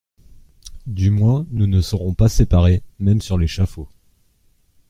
Du moins nous ne serons pas séparés, même sur l'échafaud.